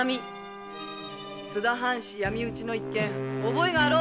津田藩士闇討ちの一件覚えがあろう！